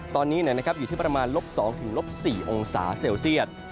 ตอนนี้อยู่ที่ประมาณลบ๒ลบ๔องศาเซลเซียต